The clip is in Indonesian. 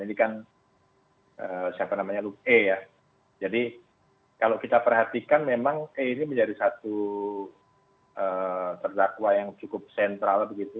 ini kan siapa namanya e ya jadi kalau kita perhatikan memang e ini menjadi satu terdakwa yang cukup sentral begitu